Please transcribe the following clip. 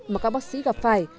mà các bác sĩ gặp phải